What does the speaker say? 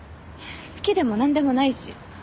好きでもなんでもないし。